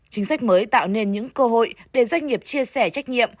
chính sách mới tạo nên những cơ hội để doanh nghiệp chia sẻ trách nhiệm